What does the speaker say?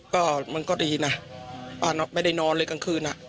ก็มันก็ดีนะป้าไม่ได้นอนเลยกลางคืน